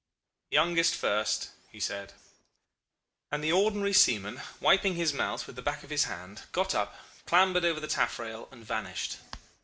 "'Youngest first,' he said. "And the ordinary seaman, wiping his mouth with the back of his hand, got up, clambered over the taffrail, and vanished.